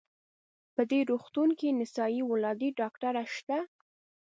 په دې روغتون کې نسایي ولادي ډاکټره شته؟